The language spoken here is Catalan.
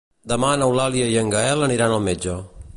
Demà n'Eulàlia i en Gaël aniran al metge.